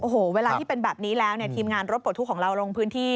โอ้โหเวลาที่เป็นแบบนี้แล้วเนี่ยทีมงานรถปลดทุกข์ของเราลงพื้นที่